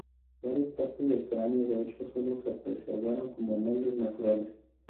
Varias partes del cráneo de hecho solo se preservaron como moldes naturales.